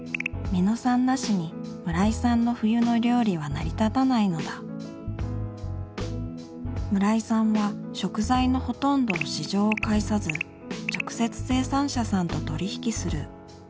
三野さんなしに村井さんの冬の料理は成り立たないのだ村井さんは食材のほとんどを市場を介さず直接生産者さんと取り引きする。